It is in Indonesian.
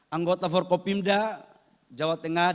anggota forkopimda jawa tengah